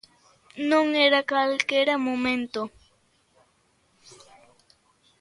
Non era calquera momento.